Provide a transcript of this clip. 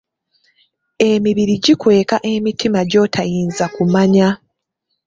Emibiri gikweka emitima gy’otayinza kumanya